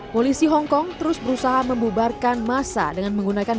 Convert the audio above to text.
polisi hongkong terus berusaha membubarkan masa dengan menggunakan